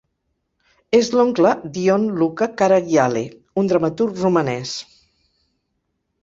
És l'oncle d'Ion Luca Caragiale, un dramaturg romanès.